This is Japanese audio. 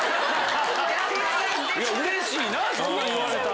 うれしいなそんな言われたら。